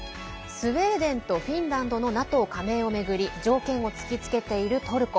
スウェーデンとフィンランドのＮＡＴＯ加盟を巡り条件を突きつけているトルコ。